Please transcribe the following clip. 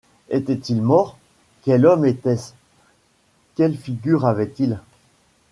Était-il mort? quel homme était-ce ? quelle figure avait-il ?